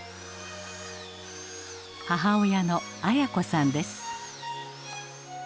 母親の綾子さんです。